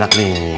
tapi terima kasih